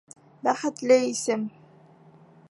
БӘХЕТЛЕ ИСЕМ